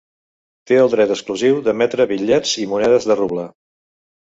Té el dret exclusiu d'emetre bitllets i monedes de ruble.